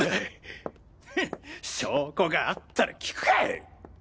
フン証拠があったら訊くか！